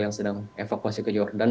yang sedang evakuasi ke jordan